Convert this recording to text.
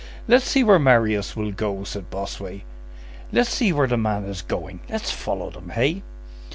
"Let's see where Marius will go," said Bossuet; "let's see where the man is going, let's follow them, hey?"